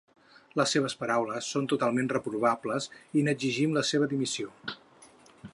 Les seves paraules són totalment reprovables i n'exigim la seva dimissió.